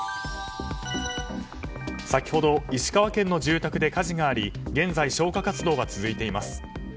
先ほど石川県の住宅で火事があり現在、消火活動が続いています。